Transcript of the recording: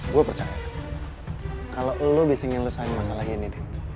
gue percaya kalau lu bisa nyelesaikan masalah ini